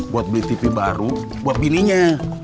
buat beli tv baru buat belinya